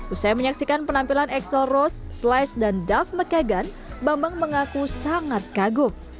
usai menyaksikan penampilan axl rose slice dan duff mckagan bambang mengaku sangat kagum